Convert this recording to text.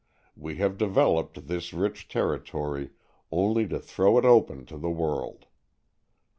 We have developed this rich territory, only to throw it open to the world.